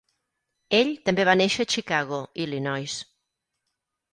Ell també va néixer a Chicago, Illinois.